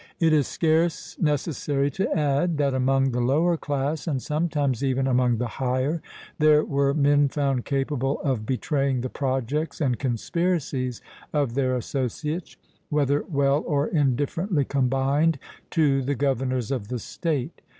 It is scarce necessary to add, that among the lower class, and sometimes even among the higher, there were men found capable of betraying the projects and conspiracies of their associates, whether well or indifferently combined, to the governors of the state.